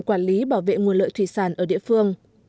quản lý bảo vệ nguồn lợi thủy sản ở địa phương